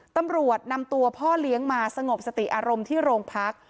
ตำรวจนำตัวพ่อเลี้ยงมาสงบสติอารมณ์ที่โรงพัก